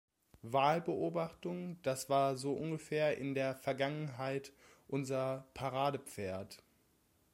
Wahlbeobachtung, das war so ungefähr in der Vergangenheit unser Paradepferd.